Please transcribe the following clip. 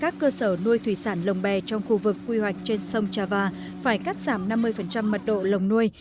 các cơ sở nuôi thủy sản lồng bè trong khu vực quy hoạch trên sông trà và phải cắt giảm năm mươi mật độ lồng nuôi